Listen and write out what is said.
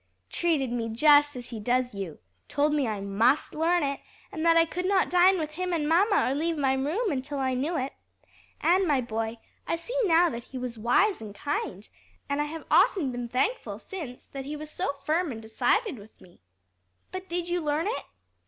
"Treated me just as he does you told me I must learn it, and that I could not dine with him and mamma or leave my room until I knew it. And, my boy, I see now that he was wise and kind, and I have often been thankful since that he was so firm and decided with me." "But did you learn it?"